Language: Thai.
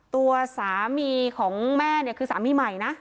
ตัวสามีของแม่เนี่ยคือสามีใหม่นะ